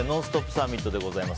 サミットでございます。